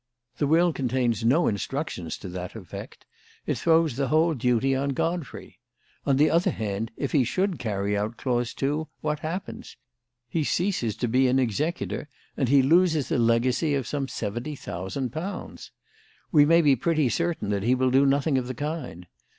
The will contains no instructions to that effect. It throws the whole duty on Godfrey. On the other hand, if he should carry out clause two, what happens? He ceases to be an executor and he loses a legacy of some seventy thousand pounds. We may be pretty certain that he will do nothing of the kind.